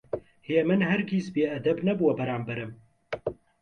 هێمن هەرگیز بێئەدەب نەبووە بەرامبەرم.